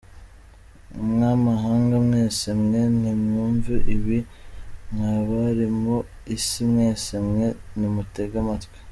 Mwa mahanga mwese mwe, nimwumve ibi: Mwa bari mu isi mwese mwe, nimutege amatwi.